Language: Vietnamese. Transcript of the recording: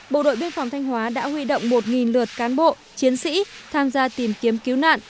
bộ đội biên phòng thanh hóa đã huy động một lượt cán bộ chiến sĩ tham gia tìm kiếm cứu nạn